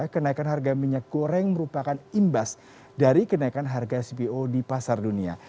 kenaikan harga minyak goreng merupakan imbas dari kenaikan harga cpo di pasar dunia